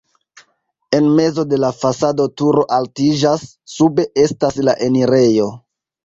En mezo de la fasado turo altiĝas, sube estas la enirejo.